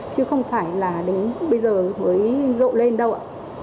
chứ không phải là đến bây giờ mới rộ lên đâu ạ